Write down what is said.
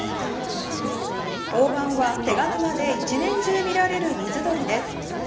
オオバンは手賀沼で一年中見られる水鳥です。